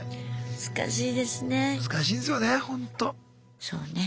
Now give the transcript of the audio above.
難しいですね。